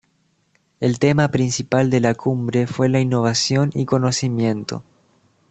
El tema principal de la cumbre fue la Innovación y Conocimiento.